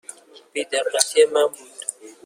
بی دقتی من بود.